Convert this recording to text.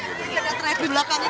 tidak terlalu belakangnya pak